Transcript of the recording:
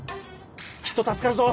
きっと助かるぞ！